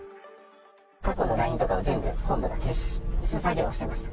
過去のＬＩＮＥとかを全部、本部が消す作業をしてました。